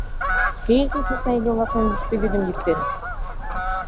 Кӧ изи сӧсна иге-влаклан йӱштӧ вӱдым йӱктен?